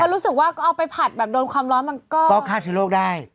รู้สึกว่าเอาไปผัดแบบโดนความร้อนมันก็ฆ่าเชื้อโรคได้